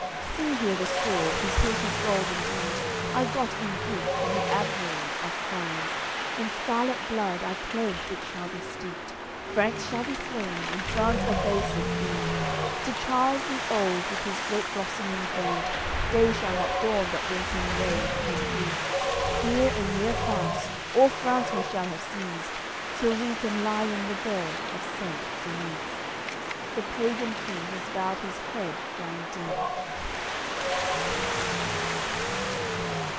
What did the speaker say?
See here the sword, whose hilt is gold indeed, I got in gift from the admiral of Primes; In scarlat blood I pledge it shall be steeped. Franks shall be slain, and France abased be. To Charles the old, with his great blossoming beard, Day shall not dawn but brings him rage and grief, Ere a year pass, all France we shall have seized, Till we can lie in th' burgh of Saint Denise." The pagan king has bowed his head down deep.